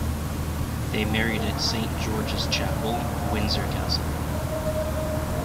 They married at Saint George's Chapel, Windsor Castle.